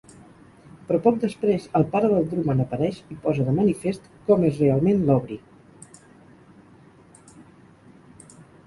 Però poc després el pare del Drumman apareix i posa de manifest com és realment l'Aubrey.